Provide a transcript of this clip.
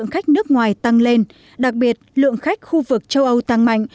khách nước ngoài tăng lên đặc biệt lượng khách khu vực châu âu tăng mạnh